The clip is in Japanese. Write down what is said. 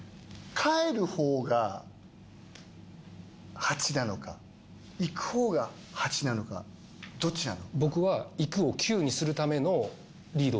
かえるほうが８なのか行くほうが８なのかどっちなの？